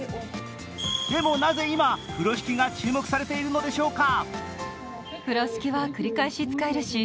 でも、なぜ今、風呂敷が注目されているのでしょうか？